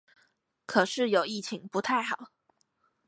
可是有疫情不太好